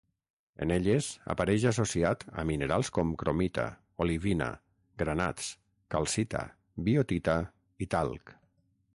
En elles, apareix associat a minerals com cromita, olivina, granats, calcita, biotita i talc.